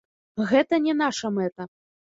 Гэта не наша мэта.